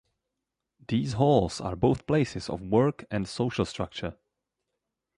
These Halls are both places of work and a social structure.